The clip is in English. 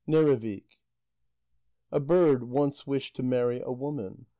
NERRIVIK A bird once wished to marry a woman.